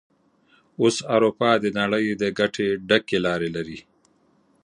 اوس اروپا د نړۍ د ګټه ډکې لارې لري.